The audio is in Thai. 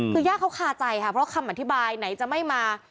คือย่าเขาคาใจค่ะเพราะคำอธิบายไหนจะไม่มา